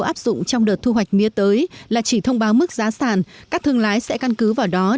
áp dụng trong đợt thu hoạch mía tới là chỉ thông báo mức giá sản các thương lái sẽ căn cứ vào đó